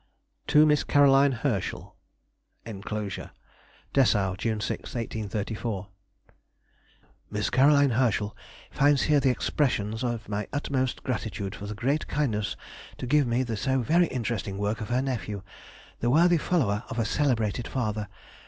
TO MISS CAROLINE HERSCHEL. [Enclosure.] DESSAU, June 6, 1834. Miss Caroline Herschel finds here the expressions of my utmost gratitude for the great kindness to give me the so very interesting work of her nephew, the worthy follower of a celebrated father.